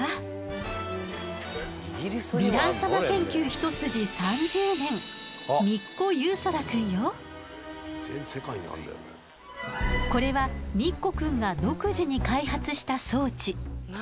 ヴィラン様研究一筋３０年これはミッコくんが独自に開発した装置。